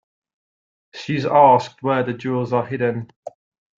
She is asked where the jewels are hidden.